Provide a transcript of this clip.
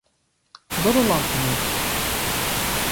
Doch de lampen út.